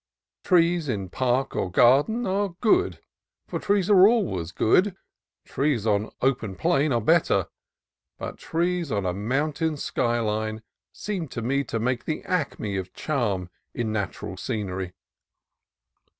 Trees in park or garden are good, for trees are always good: trees on open plain are better : but trees on a mountain sky line seem to me to make the acme of charm in natural scenery.